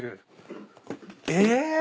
え？